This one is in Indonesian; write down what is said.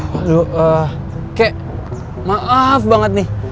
waduh kek maaf banget nih